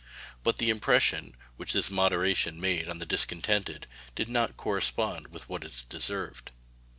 But the impression which this moderation made on the discontented did not correspond with what it deserved.